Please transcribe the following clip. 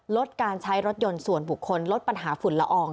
ลดการใช้รถยนต์ส่วนบุคคลลดปัญหาฝุ่นละออง